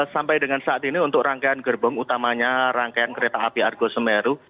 sampai dengan saat ini untuk rangkaian gerbong utamanya rangkaian kereta api argo semeru